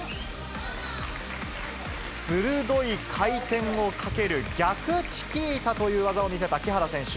鋭い回転をかける逆チキータという技を見せた木原選手。